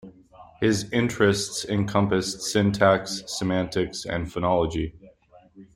His interests encompassed syntax, semantics and phonology.